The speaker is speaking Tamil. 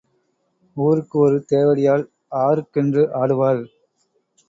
ஊருக்கு ஒரு தேவடியாள் ஆருக்கென்று ஆடுவாள்?